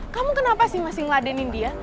kamu kenapa sih masih ngeladenin dia